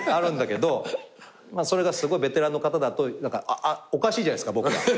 それがすごいベテランの方だとおかしいじゃないですか僕が。